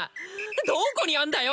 どこにあんだよ？